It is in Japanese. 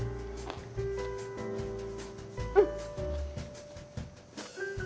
うん！